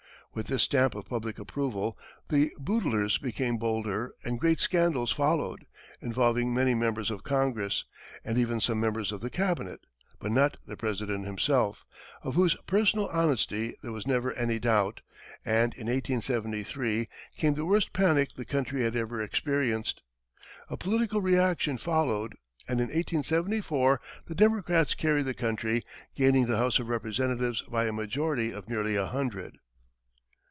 With this stamp of public approval, the boodlers became bolder and great scandals followed, involving many members of Congress and even some members of the cabinet, but not the President himself, of whose personal honesty there was never any doubt, and in 1873, came the worst panic the country had ever experienced. A political reaction followed, and in 1874 the Democrats carried the country, gaining the House of Representatives by a majority of nearly a hundred.